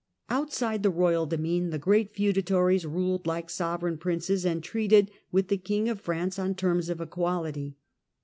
Outside the royal demesne the great feudatories ruled like sovereign princes and treated with the king of France on terms of equality.